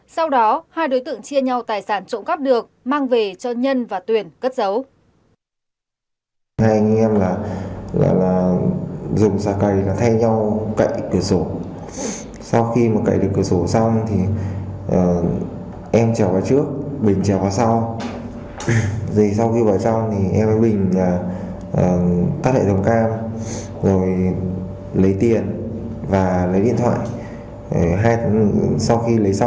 sau đó hai đối tượng chia nhau tài sản trụng cắp được mang về cho nhân và tuyển cất giấu